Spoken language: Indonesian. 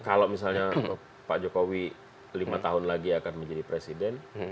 kalau misalnya pak jokowi lima tahun lagi akan menjadi presiden